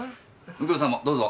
右京さんもどうぞ。